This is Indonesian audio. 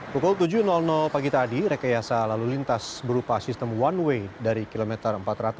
pukul tujuh pagi tadi rekayasa lalu lintas berupa sistem one way dari kilometer empat ratus